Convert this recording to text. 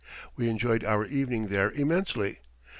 We enjoyed our evening there immensely.